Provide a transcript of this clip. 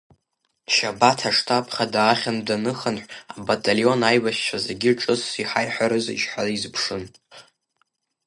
Шьабаҭ аштаб хада ахьынтә даныхынҳә, абаталион аибашьцәа зегьы ҿыцс иҳаиҳәарызеишь ҳәа изыԥшын.